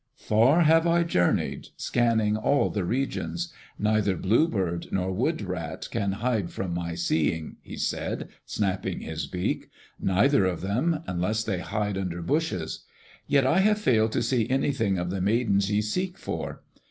"Far have I journeyed, scanning all the regions. Neither bluebird nor woodrat can hide from my seeing," he said, snapping his beak. "Neither of them, unless they hide under bushes. Yet I have failed to see anything of the Maidens ye seek for.